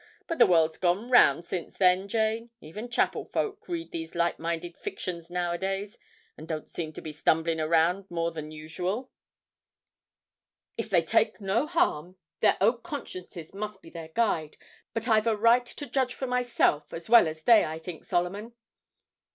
But the world's gone round since then, Jane. Even chapel folk read these light minded fictions nowadays, and don't seem to be stumblin' about more than usual.' 'If they take no harm, their own consciences must be their guide; but I've a right to judge for myself as well as they, I think, Solomon.'